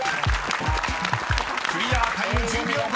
［クリアタイム１０秒５］